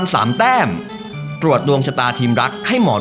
สวัสดีครับ